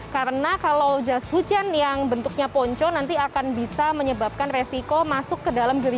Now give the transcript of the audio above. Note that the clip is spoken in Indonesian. karena kalau jas hujan yang bentuknya ponco nanti akan bisa menyebabkan resiko masuk ke dalam gerigi